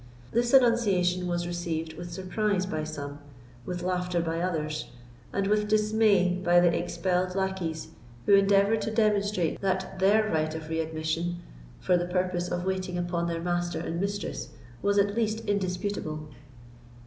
This annunciation was received with surprise by some, with laughter by others, and with dismay by the expelled lackeys, who endeavoured to demonstrate that their right of readmission, for the purpose of waiting upon their master and mistress, was at least indisputable.